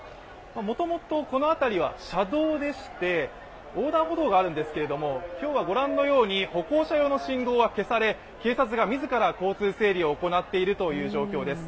もともとこの辺りは車道でして横断歩道があるんですけれども今日はご覧のように歩行者用の信号は消され、警察が自ら交通整理を行っているという状況です。